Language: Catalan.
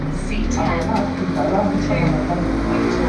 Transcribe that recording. Al senat, s'integrà al grup parlamentari mixt.